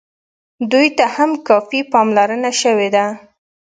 دوی ته هم کافي پاملرنه شوې ده.